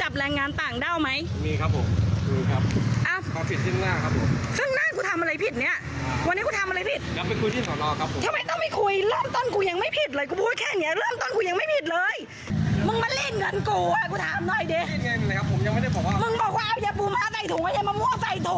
บ้างก็ปาปคนแล้วไกลมึงจับมากี่คนแล้วฟังดูป่ะ